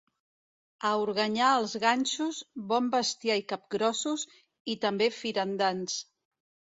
A Organyà els ganxos, bon bestiar i capgrossos, i també firandants.